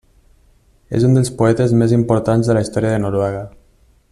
És un dels poetes més importants de la història de Noruega.